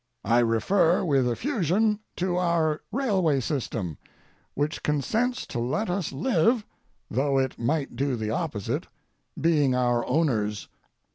I refer with effusion to our railway system, which consents to let us live, though it might do the opposite, being our owners.